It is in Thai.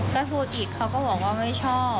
ก็พูดอีกเขาก็บอกว่าไม่ชอบ